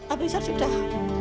abis itu sudah